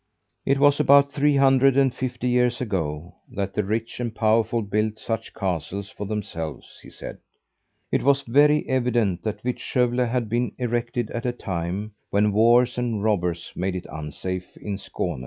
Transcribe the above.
It was about three hundred and fifty years ago that the rich and powerful built such castles for themselves, he said. It was very evident that Vittskövle had been erected at a time when wars and robbers made it unsafe in Skåne.